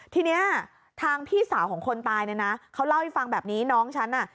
ทีนี้ทางพี่สาวของคนตายเนี่ยนะเขาเล่าให้ฟังแบบนี้น้องฉันน่ะ